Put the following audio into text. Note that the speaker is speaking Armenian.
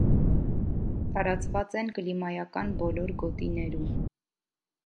Տարածված են կլիմայական բոլոր գոտիներում։